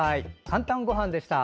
「かんたんごはん」でした。